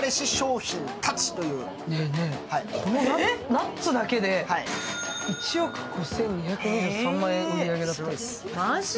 ナッツだけで１億５２２３万円の売り上げだそうです。